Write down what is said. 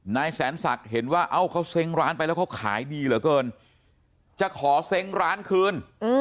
นายแสนศักดิ์เห็นว่าเอ้าเขาเซ้งร้านไปแล้วเขาขายดีเหลือเกินจะขอเซ้งร้านคืน